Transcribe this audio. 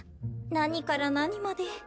何から何まで。